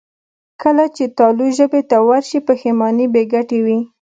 کله چې تالو ژبې له ورشي، پښېماني بېګټې وي.